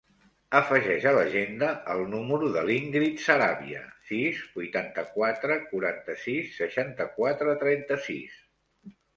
Afegeix a l'agenda el número de l'Íngrid Saravia: sis, vuitanta-quatre, quaranta-sis, seixanta-quatre, trenta-sis.